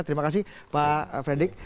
terima kasih pak fredrik